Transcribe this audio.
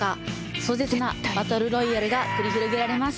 壮絶なバトルロイヤルが繰り広げられます。